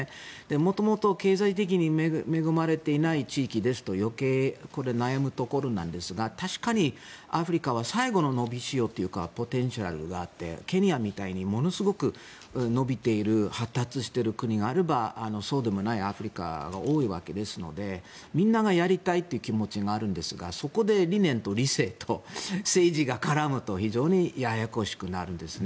元々、経済的に恵まれていない地域ですと余計、悩むところなんですが確かにアフリカは最後ののびしろというかポテンシャルがあってケニアみたいにものすごく伸びている発達している国があればそうでもないアフリカも多いわけですのでみんながやりたいという気持ちがあるんですがそこで理念と理性と政治が絡むと非常にややこしくなるんですね。